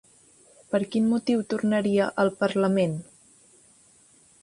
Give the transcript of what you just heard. Per quin motiu tornaria al Parlament?